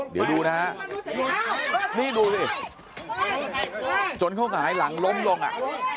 เดี๋ยวดูนะฮะนี่ดูสิจนเขาหงายหลังล้มลงอ่ะ